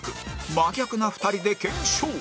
真逆な２人で検証！